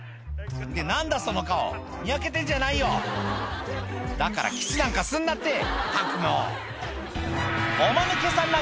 何だその顔にやけてんじゃないよだからキスなんかすんなってったくもううん？